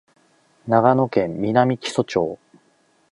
長野県南木曽町